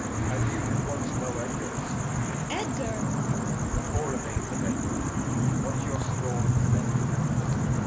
As you did once know Edgar's. Cord. Edgar \ Edg. The poor Remains of Edgar, what your Scorn Has left him.